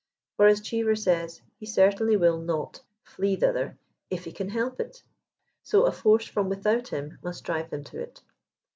For, as Cheever says, " he certainly will not" flee thither " if he can help it," so a forCe from without him must drive him to it.